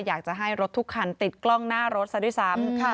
อยากจะให้รถทุกคันติดกล้องหน้ารถซะด้วยซ้ำ